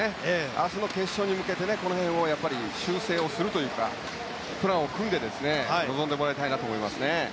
明日の決勝に向けてこの辺を修正するというかプランを組んで臨んでもらいたいなと思います。